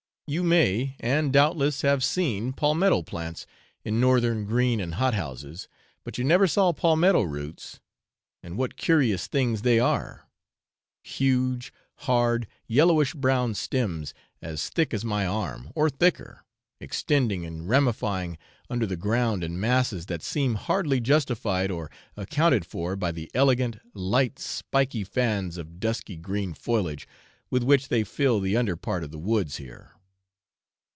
You may, and, doubtless, have seen palmetto plants in northern green and hot houses, but you never saw palmetto roots; and what curious things they are! huge, hard, yellowish brown stems, as thick as my arm, or thicker, extending and ramifying under the ground in masses that seem hardly justified or accounted for by the elegant, light, spiky fans of dusky green foliage with which they fill the under part of the woods here.